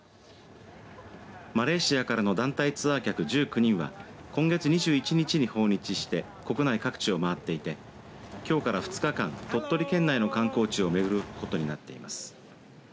マレーシアからの団体ツアー客１９人は今月２１日に訪日して国内各地を回っていてきょうから２日間、鳥取県内の観光地を巡ることになっています。